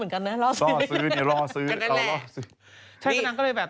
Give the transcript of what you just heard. เปลี่ยนแผน